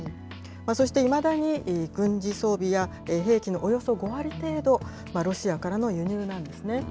そしていまだに、軍事装備や、兵器のおよそ５割程度、ロシアからの輸入なんですね。